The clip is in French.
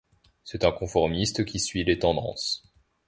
C'est un conformiste qui suit les tendances.